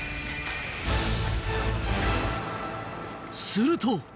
すると。